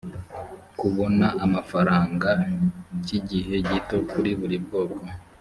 kubona amafaranga cy igihe gito kuri buri bwoko